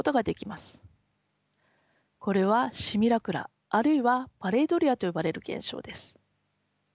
これはシミュラクラあるいはパレイドリアと呼ばれる現象です。